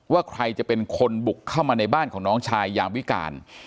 ว่าใครจะเป็นคนบุกเข้ามาในบ้านของน้องชายยามวิการ